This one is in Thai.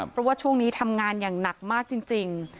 เพราะว่าช่วงนี้ทำงานอย่างหนักมากจริง